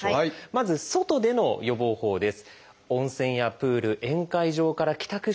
まず外での予防法です。